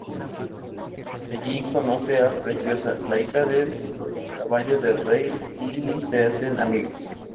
Allí conoce a Preciosa, la hija del caballo del rey y se hacen amigos.